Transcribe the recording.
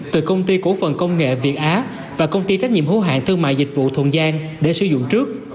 từ công ty cổ phần công nghệ việt á và công ty trách nhiệm hữu hạng thương mại dịch vụ thuận gian để sử dụng trước